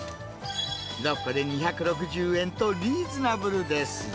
６個で２６０円とリーズナブルです。